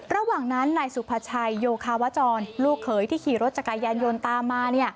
ระหว่างนั้นนายสุภาชัยโยคาวจรลูกเขยที่ขี่รถจักรยานยนต์ตามมา